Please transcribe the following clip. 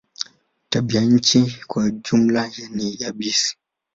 Tabianchi kwa jumla ni yabisi.